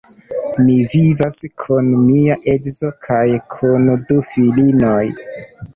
Mi vivas kun mia edzo kaj kun du filinoj.